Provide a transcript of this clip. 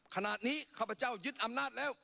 ขนาดนี้ข้าบเจ้ายึดอำนาจแล้ว